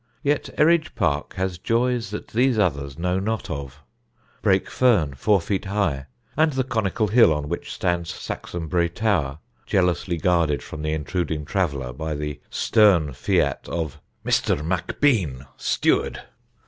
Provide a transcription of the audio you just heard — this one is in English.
Yet Eridge Park has joys that these others know not of brake fern four feet high, and the conical hill on which stands Saxonbury Tower, jealously guarded from the intruding traveller by the stern fiat of "Mr. Macbean, steward."